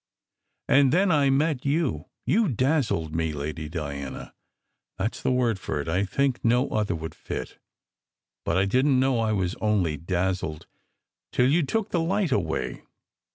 And then I met you. You dazzled me, Lady Diana. That s the word for it. I think no other would fit. But I didn t know I was only dazzled, till you took the light away.